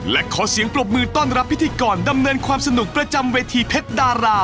และขอเสียงปรบมือต้อนรับพิธีกรดำเนินความสนุกประจำเวทีเพชรดารา